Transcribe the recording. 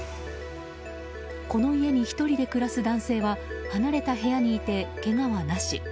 この家に１人で暮らす男性は離れた部屋にいて、けがはなし。